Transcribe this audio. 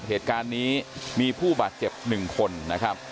เหตุการณ์นี้มีผู้บาดเจ็บ๑คนนะครับ